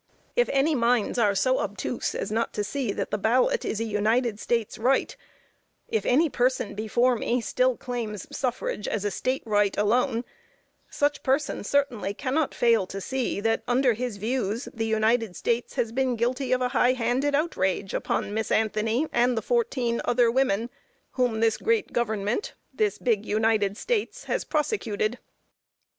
If any minds are so obtuse as not to see that the ballot is an United States right, if any person before me still claims suffrage as a state right alone, such person certainly cannot fail to see that under his views the United States has been guilty of a high handed outrage upon Miss Anthony and the fourteen other women whom this great government, this big United States has prosecuted.